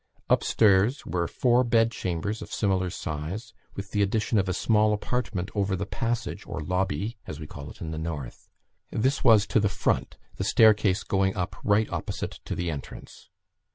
Upstairs were four bed chambers of similar size, with the addition of a small apartment over the passage, or "lobby" as we call it in the north. This was to the front, the staircase going up right opposite to the entrance.